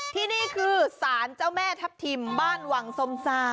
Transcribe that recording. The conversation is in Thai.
ที่นี่คือศานเจ้าแม่ทับทิมวังส้มซ่า